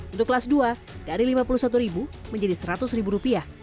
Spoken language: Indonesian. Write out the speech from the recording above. untuk kelas dua dari rp lima puluh satu menjadi rp seratus